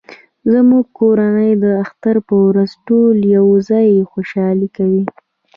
زموږ کورنۍ د اختر په ورځ ټول یو ځای خوشحالي کوي